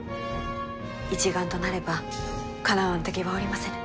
一丸となればかなわぬ敵はおりませぬ。